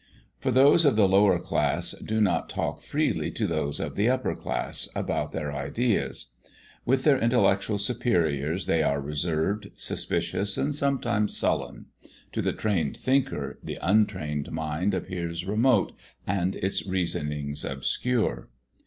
For those of the lower class do not talk freely to those of the upper class about their ideas. With their intellectual superiors they are reserved, suspicious, and sometimes sullen. To the trained thinker the untrained mind appears remote, and its reasonings obscure.